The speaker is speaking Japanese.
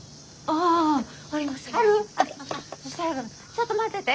ちょっと待ってて。